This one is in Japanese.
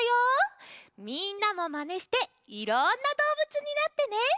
みんなもマネしていろんなどうぶつになってね。